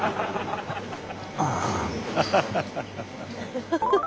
ああ。